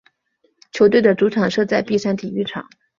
球队的主场设在碧山体育场。